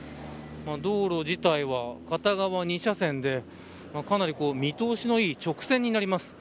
道路自体は、片側２車線でかなり見通しのいい直線になります。